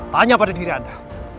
tanya pada diri anda